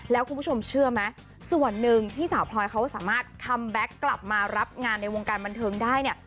แล้วคุณผู้ชมเชื่อไหมส่วนหนึ่งที่สาวพลอยเขาสามารถคัมแบ็คกลับมารับงานในวงการบันเทิงได้เนี่ย